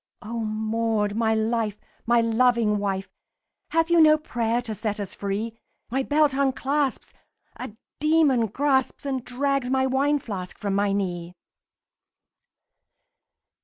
"O Maud, my life! my loving wife! Have you no prayer to set us free? My belt unclasps, a demon grasps And drags my wine flask from my knee!"